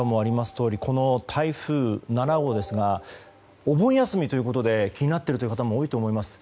とおりこの台風７号ですがお盆休みということで気になっている方も多いと思います。